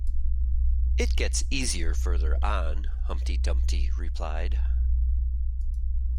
‘It gets easier further on,’ Humpty Dumpty replied.